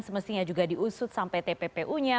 semestinya juga diusut sampai tppu nya